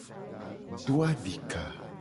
Do adika.